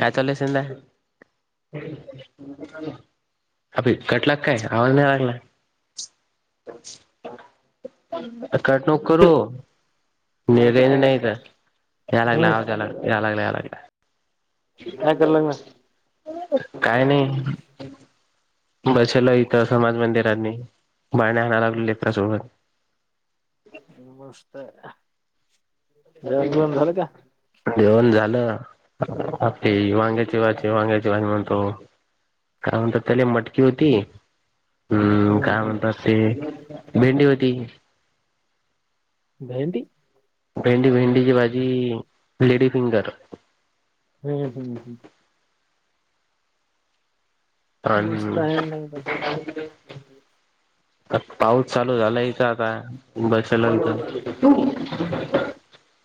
काय चाललय [unintelligible] अबे कटला काय आवाज नाही लागला. [unintelligible] कट नक करू [unintelligible] नाही का या लागला हम्म आवाज या लागला. यालागला यालागला. काय करायला लागला काही नाही. बसेल इथं समाज मंदिरांनी बाण्या आणाय लागल लेकरासोबत. नमस्त [unintelligible] जेवण झालं? वांग्याची भाजी, वांग्याची भाजी म्हण हो, काय म्हणतात त्याले मटकी होती, हम्, हम्म काय हम्म म्हणतात ते भेंडी होती. भेंडी? भेंडी, भेंडीची भाजी लेडी फिंगर. हम्म, हम्म, हम्म. मस्त आहे [unintelligible] मग [inaudible] आ पाऊस चालू झाला इथं आता बसेल [unintelligible]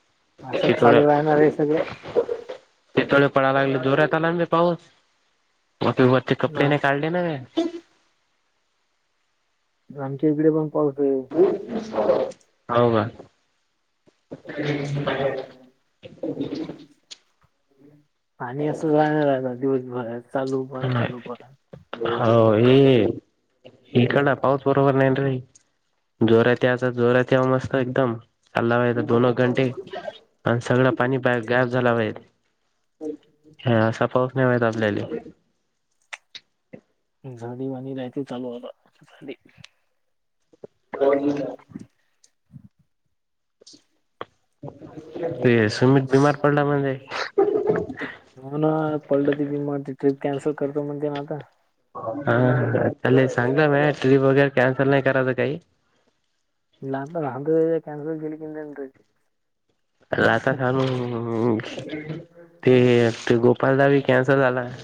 [unintelligible] ते असं चालू राहणार आहे सगळं थोडे पडा लागले जोरात आला बे पाऊस म ते कपडे हा नाही काढले नवे आमच्या इकडे पण पाऊस आहे. हो का? [unintelligible] [inaudible] आणि असं राहणार आता, दिवसभरात, चालू बंद, चालू बंद. हो, हे इकड पाऊस बरोबर नाही रे, जोरात याचा जोरात या मस्त एकदम. अल्ला वेत दोन घंटे, आणि सगळं पाणी गायप झाला होय. हा, असा पाऊस नाही माहित आपल्याले. झाडी बनी राहयते चालू आता, झाडी [unintelligible] [inaudible] ते सुमीत बिमार पडला म्हणे हो ना, पडलं ती म ट्रिप कॅन्सल करतो, म्हणते ना आता. हा तेले सांगलं मे, ट्रिप वगैरे कॅन्सल नाही करायचं काही. ला [unintelligible] कॅन्सल केली ट्री लाता खान ते ते गोपालदाबी कॅन्सल झाला. ट्रिप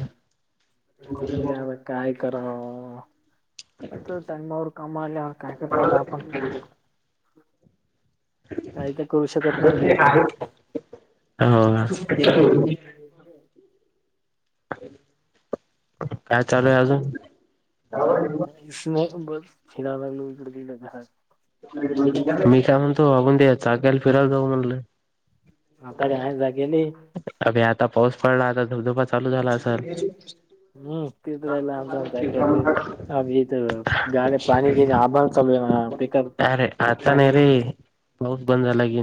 ठीक आहे, म काय करावं. [unintelligible] मर कामला काय करत [unintelligible] काही हो. [unintelligible] होत. काय चालूये आजून? [unintelligible] नाही बर फिडला [unintelligible] इकड दिलं मी काय म्हणतो, अघून दे चाकााला फिरायला जाऊ म्हणलं आता [unintelligible] जागेले. अभे आता पाऊस पडला, आता धबधबा चालू झाला असल हम्म तेच राहिला आमचा गाडी पाणी घे, आभण [unintelligible] अरे, आता नाही रे पाऊस बंद झाला की,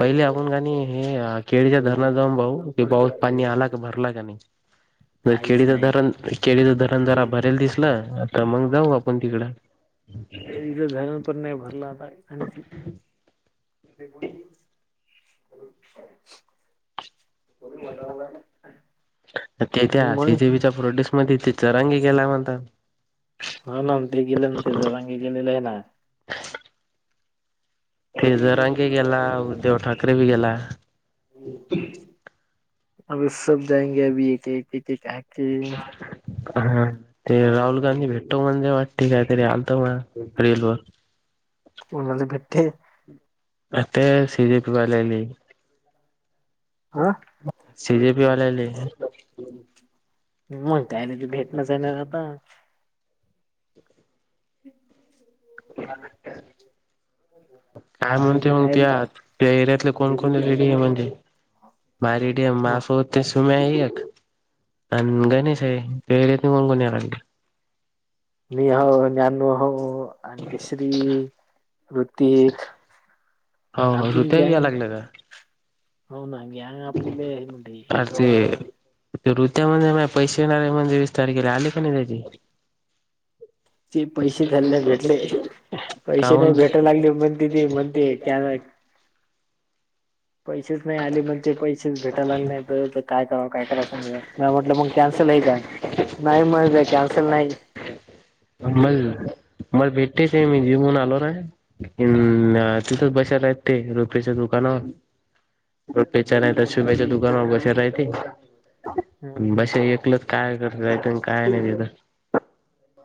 पहिले आपण काणी हे केळीच्या धरणात जाऊन भाऊ, की पाऊस पाणी आला का भरला का नाही? काहीच केळीच नाही धरण, केळीच धरण, जरा ठीक, भरल दिसलं. तर मग, जाऊ आपण तिकडं. [unintelligible] धरण पण नाही भरला आता आणखी. ह ब का ते त्या सी मग जी बी च्या प्रोड्यक्ट मध्ये ते चरांगी गला म्हणतात. हो ना. ते गेले ना. ते जरांगे गेलेले आहे ना? ते जरांगे गेला, उद्धव ठाकरे बी गेला. [inaudible] अभी सब जायेंगे अभी एक एक एक- आके हं. ते राहुल गांधी भेटतो म्हणजे वाटते काय तरी आलत बुवा रिलवर. [unintelligible] [unintelligible] हा सी जे पी वाल्यानी. मग काय न ते भेटणच ये ना आता? [unintelligible] काय म्हणतो मग काय त्या, त्या एरियातले कोण कोण रेडी आहे म्हणजे- [unintelligible] मग ते सुम्या आहे एक आणि गणेश आहे. [unintelligible] कोण कोण याला लागले मी आहे. न्यानू हो. आणखी श्री, हृतिक- हो हो हृतिक बी यायला लागला का? हो ना. अर ते [unintelligible] ते ऋत्या म्हणे माझे पैसे येणारे म्हणे वीस तारखेला. आले का नाही त्याचे. ते पैसे त्याला नाही भेटले. पैसे नाही काहून भेटाय लागले म्हणून - [unintelligible] पैसेच नाही आले. मग ते पैसेच भेटाय लागले नाही तर- काय कराव काय करांव समज ना. म्या म्हटलं मग कॅन्सल आहे का? नाही म्हणे का कॅन्सल नाही. म मला भेटतेच आहे. मी जी म्हून आलो ना? हं. हा तिथंच बसेल आहेत ते. रुपेच्या दुकानावर. रुपें च्या नाहीत शुभ्या च्या दुकानावर बसेल आहे ते. हम्म हम्म बसेल एकलच काय कर काय नाही तिथं.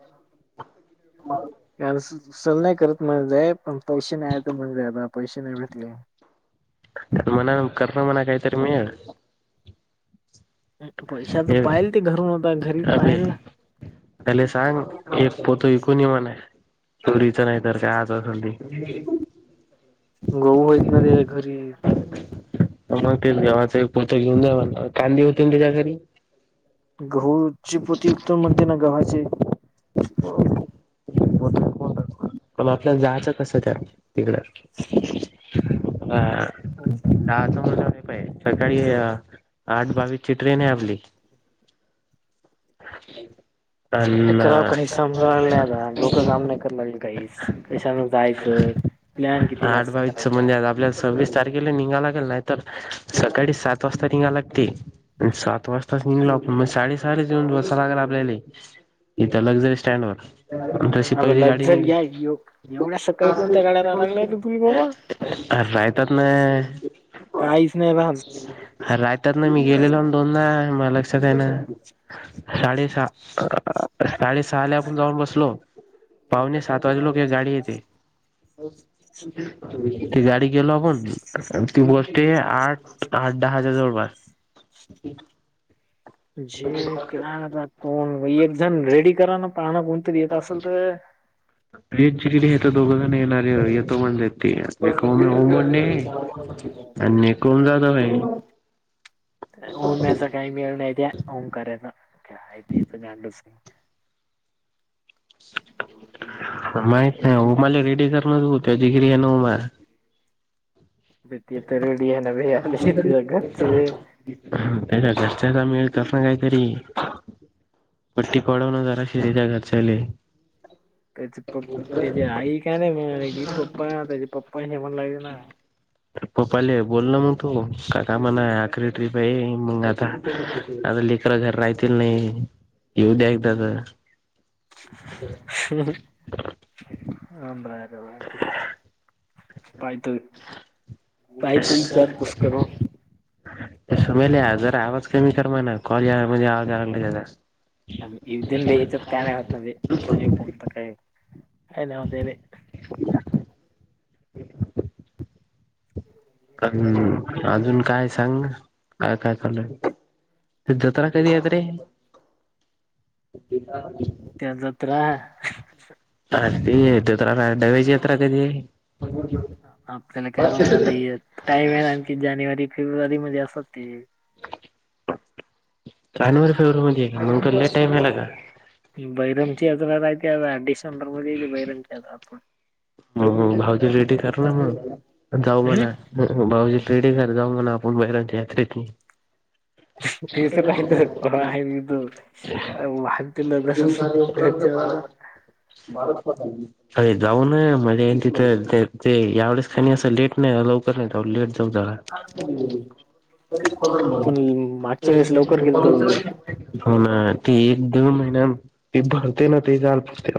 कि ह यावेळस सण नाही करत म जाय पण पैसे नाही आहे तर म्हणजे आता पैसे नाही भेटले. मना [unintelligible] काहीतरी मीळेल. पैशाच पाहिल ति घरून आता घरी अबे पाहिल ना? त्याले सांग. एक पोत इकून ये म्हणा. चोरीच नाही तर काय? आज असल ते. गहू हायेत ना रे घरी. मग तेच गव्हाच एक पोत घेऊन जा म्हटलं. कांदे होते ना त्याच्या घरी? गहूची पोती विकतो म्हणते ना गव्हाचे? हो बठ कोत मग आपल्याला जायचं कसं त्या तिडं? हा. [unintelligible] सकाळी आठ बावीस ची ट्रेन आहे आपली. काय अन करावं काही समजायला नाही आता. डोकं काम नाही करायला लागल काहीच. कशाान जायचं? प्लॅन किती आठ जास्त बावीसच करायचा? म्हणजे आपल्याला सव्वीस तारखेला निघाय लागेल नाहीतर सकाळी सात वाजता निघा लागते आणि सात वाजता त निघल आपण म साडी साडीच येऊन ब लागल आपल्याला इथ लक्झरी स्टँड वर शी अग पहिली गाडी लक्झर निघली या यो- एवढ्या सकाळी कोणत्या गाड्या लागल्या तू तुम्ही बाबा अ राहतात ना काहीच नाही भाज अर राहतात ना मी गेलेलो दोनदा म लक्षात आहे ना शडेसहा साडेसहाला आपण जाऊन बसलो पाहुणे सात वाजे लोक एक गाडी येते ते गाडी गेलो आपण ती बस्ट आठ आठडा हजार जोर बार जे केलाता कोण एक जण रेडी करा ना पाहणं कोणतरी येत असेल तर हे ज कडे हे तर दोघं जण येणारे येतो म्हणज हे कोम हो म्हटणे आणि कोम जात भाई ओम्याचा काही मिळ नाही त्या ओम करायच गांडू माहीित नाही उमाले रेडी करणार त त जगरी आहे उमा भेट य तरुळी ये ना ब आ शीतीची त्या घरच्याचा मिळतस ना काहीतरी पट्टी पडवण जरा शिच्या घरच्याले त्याची प् त्याची आई का नाही पप्पा त्याचे पप्पा म्हणग अ पपाले बोलल म त काका म्हणा आखरी ट्रीिप आहे मंग आता आता लीकरड घर राहतील नाही येऊ द्यागतात ह ह आ का पाय त पाय तल चार पुस्क समेल जरा आवाज कमी करमा ना कॉल आवाज आला अ इ दिन लचात का यत नय कोमत काय अय नावतली हम् अजून काय सांग काय काय चालूय जत्रा कधी येत रे इतासत अदी दत्र दवायचीत्रा कधी आपल्याला काय आता टाईम आहे आणखी जानेवारी फेब्रुवारी मध्ये असत ते जानेवारी फेब्रुवारीमध्येध्ये का म्हणुला टामला का बहिरमची याज्र राहते आता डिसेंबर मध्ये ये बैरमचीज्र हो हो भाऊची रेडी करू ना मग जाऊ हम्म मला भाऊजी पेढ घर जाऊ म्हणा आपण बैरांच्या यात्रेत तेच पाहि आहे मी तू वागते न बस घर चलता अरे जाऊन म्हणज तिथ ते यावच खा असं लेट नाही लवकर नाही जाऊ लेट जाऊला आपण मागच्या वेळेस लवकर गेलतो [inaudible] हो ना ती एक दोन महिन ती भरते ना ते जालते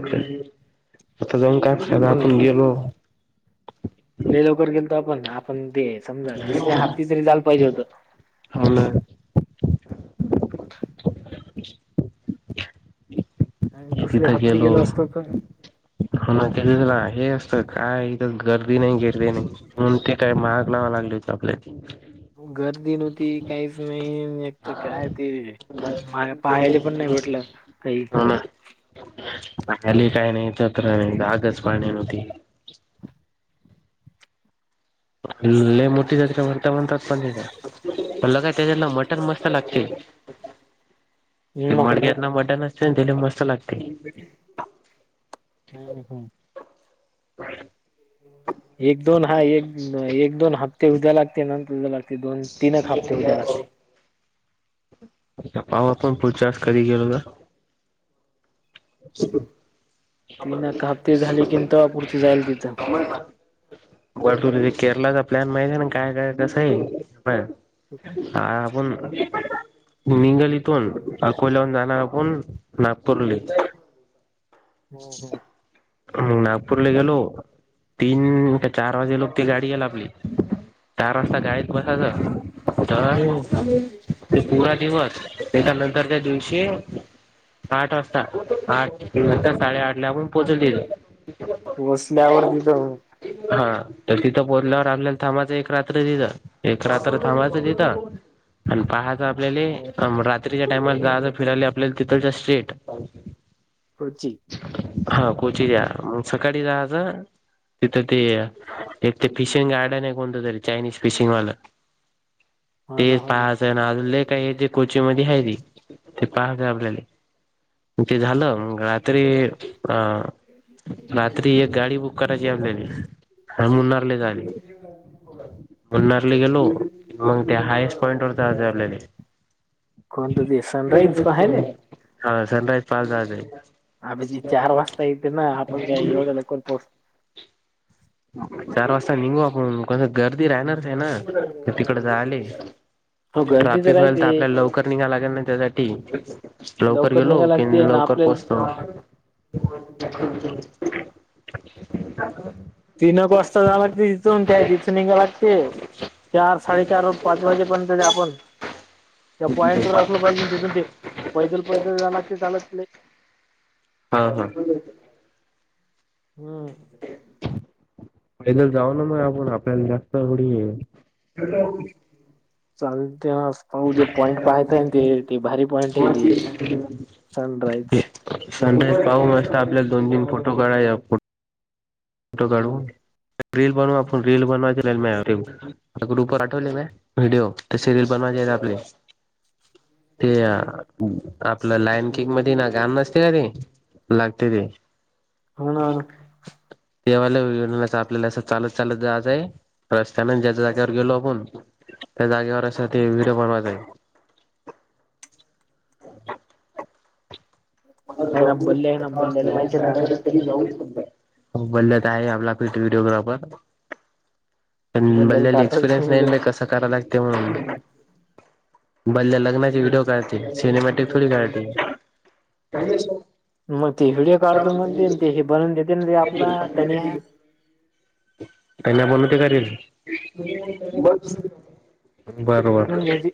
आता जाऊन काय लि लवकर गेल तर आपण आपण द समजा दुसऱ्या हात्ती जरी जाला पाहिजे होतं. होले. आणि दुसरे किथ हप्ते केेलो. गेलो असतो तर हो ना त्याला हे असतं काय इथ गर्दी नाही गेरदी नाही. मून ते काय महाग नावा लागली होती आपल्या गर्दी नव्हती काहीच नाही एकत काय ते माला पाहायला पण नाही भेटलं काही ली काय नाही तत गच पाणी नव्हती. अल्े मुटात म्हरतवतात बण पलगयजला मटन मस्त मत लागते ते मडग्यातना मडण असते दि मस्त लागते. हम् हो. [inaudible] एक दोन हा एक एक दोन हप्ते उद्या लागते नंतर उद्या लागते दोन. तिनं खापते उद्या लागते. पावा पण पुूढचास कर गेलो का. [unintelligible] तीन एक हप्ते झाले की तवा पुढची जाईल तिथं. बट केरलाचा प्लॅन माहिती आहे ना काय काय कसं आहे. ह आपण निंगल इथून अकोल्याहून जाणार आपण. नापोलली हम हम नागपू ल गेलो. तीन का चार वाजे लोक त गाडी याला आपली चार वाजता गाडीत बसायचं. तर ते पुूरा दिवस त्याच्या नंतर त्या दिवशी आठ वाजता आठ नंत साडेआठ ला पण पोहचल. वसल्यावरतीिथं. हा तर तिथं पोचल्यावर आपल्याला थांमाच एक रात्र दििथ. एकरा तर्र थांबायचं तिथं आणि पहा. आपल्या रात्रीच्या टामला जाज फिरायला आपल्याला तथच्या स्ट्रेट. होची. हा कोची या म सकाळी जा तिथं ते एक ते फिशिंग गार्डन आहे कोणतं तरी चायनीज फिशिंग वालं. हो ना तेच हो पाच आहे ना अजून. काय हे जे कोची मध्ये आहे र ते पाहत आपल्याला ते झालं म [unintelligible] रात्री एक गाडी बुक करायची आपल्याने आणि मुन्नारले जाले. मुनारली गेलो मग ते हयस्ट पॉंट वर जाजलेली. कोणत ते सनराईज प आहेय ना. हा सण्रात पाल झाे आभ ज चार वाजता येते ना आपण काय एवढ्या लककर पोहोचतो. चार वाजता निघू आपण कोण गर्दी राहणारच आहे ना तर तिकड झाले. हो गर्दी ट्राफिक होईल राहते तर आपल्याला लवकर निघाला लागेल ना त्यासाठी लवकर गेलो निघाय कि लागते ना लवकर पोहच आपल्याला हो. [inaudible] [unintelligible] तीनक वाजता झा लागते तिथून त्या तिथून गेलागते. चार साडेचार पाच वाजेपर्यंत ते आपण त्या पॉईंट तर असलं पाहिजे तिथून ते पैदल पैदल लाग ते चालत हा हा हम्म पहिदल जाऊ ना म आपण आपल्याला जास्त एडी ये चाले ते हो ते पॉंट पाहायथ ते भारी पॉंट हती आहे सनरईज सनराईज पाहू मस्त आपल्याला दोन तीन फोटो काढा फोटो काढव रीलल बनव आप रील बनवा ग्रुपर आठवले म व्हिडिओ ते सिरियल बनवायचेेत आपले तेया आपलं लाईन कक हम्म मध्ये ना घाण नसते का ते लागते ते होन तेवा्हालाेच आपल्याला असं चालत चालत जायचंय रस्त्याना ज्या जागेवर गेलो आपण त्या जागेवर अस ते व्हिडिओ बनवा जाई म ना बल्ले आहे ना बल्ल्याला माहिती आहे ना आता बोलल आहे आपला क व्हिडिओग्राफर पण बल्ल्याला बल्याला काढता एसपिरियनस विषय नाही कं करा लागतेण बल्ल्या लग्नाचे व्हिडिओ का सिनेमाॅटिक थोडी घराट का मग ते व्हिडिओ काढतो म्हणते ते हे बनवून देते ना ते आपला तनिया त्यांना बण ते काल बनवून बरोबर घ्यायची.